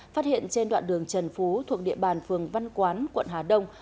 phát hiện trên đoạn đường trần phú thuộc địa bàn phường văn quán quận hà đông